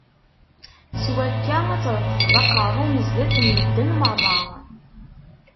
S wakka, ad trefdeḍ aqerru-m zdat n medden meṛṛa.